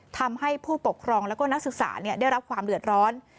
ทำให้ผู้ปกครองแล้วก็นักศึกษาได้รับความเดือดร้อน